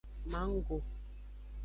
Manggo.